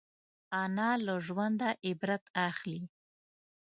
انا له ژونده عبرت اخلي